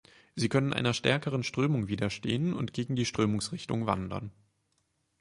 Sie können einer stärkeren Strömung widerstehen und gegen die Strömungsrichtung wandern.